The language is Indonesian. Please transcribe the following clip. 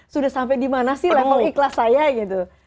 sudah sampai di mana sih level ikhlas saya gitu